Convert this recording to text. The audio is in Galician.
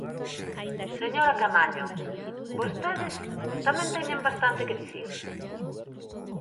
Señora Caamaño, vostedes tamén teñen bastante que dicir.